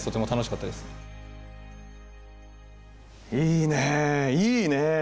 いいねいいねえ。